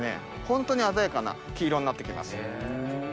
ホントに鮮やかな黄色になって来ます。